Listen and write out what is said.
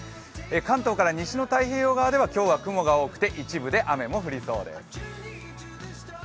関東から西の太平洋側では今日も雲が多くて一部で雨も降りそうです。